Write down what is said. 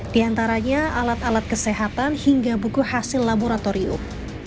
di antaranya alat alat kesehatan hingga buku hasil laboratorium